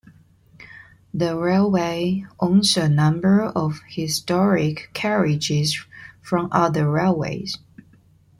The railway owns a number of historic carriages from other railways.